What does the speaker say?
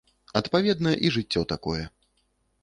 Адпаведна і жыццё такое.